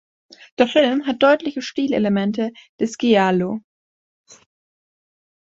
Der Film hat deutliche Stilelemente des Giallo.